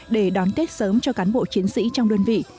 để đón tết sớm cho cán bộ chiến sĩ trong đơn vị